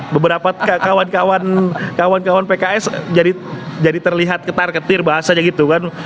beberapa kawan kawan pks jadi terlihat ketar ketir bahasanya gitu kan